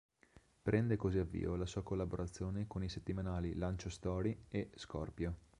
Prende così avvio la sua collaborazione con i settimanali Lanciostory e Skorpio.